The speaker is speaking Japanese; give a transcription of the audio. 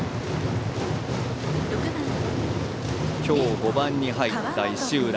今日５番に入った石浦。